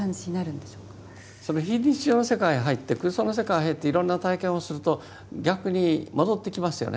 その非日常世界へ入って空想の世界へ入っていろんな体験をすると逆に戻ってきますよね。